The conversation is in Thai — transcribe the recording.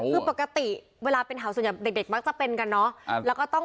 คือปกติเวลาเป็นเห่าส่วนใหญ่เด็กจะเป็นกันแล้วก็ต้อง